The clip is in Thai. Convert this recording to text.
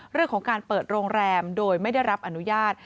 เรื่องของการเปิดโรงแรมโดยไม่ได้รับอนุญาต